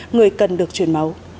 người cần được truyền máu